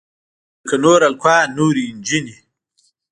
لکه نور هلکان نورې نجونې.